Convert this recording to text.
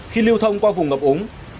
khi lưu thông qua vùng ngập úng